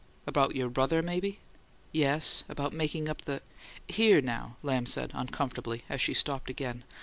"About your brother, maybe?" "Yes, about making up the " "Here, now," Lamb said, uncomfortably, as she stopped again.